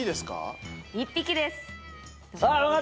１匹ですか？